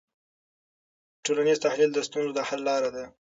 ټولنیز تحلیل د ستونزو د حل لاره ده.